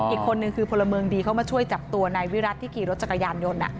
อีกคนนึงคือพลเมืองดีเข้ามาช่วยจับตัวนายวิรัติที่ขี่รถจักรยานยนต์